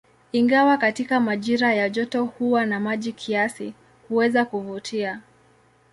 Ingawa katika majira ya joto huwa na maji kiasi, huweza kuvutia.